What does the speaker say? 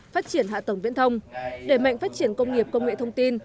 phát triển hạ tầng viễn thông đẩy mạnh phát triển công nghiệp công nghệ thông tin